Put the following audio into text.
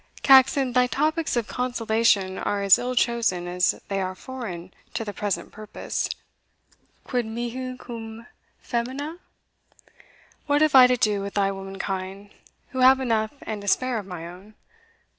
Caxon, thy topics of consolation are as ill chosen as they are foreign to the present purpose. Quid mihi cum faemina? What have I to do with thy womankind, who have enough and to spare of mine own?